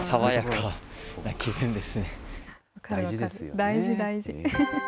大事大事。